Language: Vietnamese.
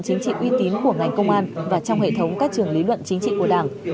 chính trị uy tín của ngành công an và trong hệ thống các trường lý luận chính trị của đảng